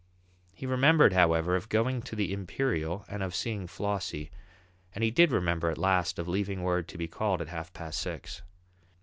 He remembered, however, of going to the Imperial and of seeing Flossie, and he did remember at last of leaving word to be called at half past six.